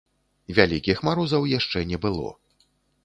Вялікіх марозаў яшчэ не было.